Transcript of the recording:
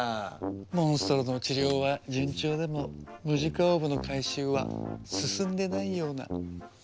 モンストロの治療は順調でもムジカオーブの回収は進んでないような。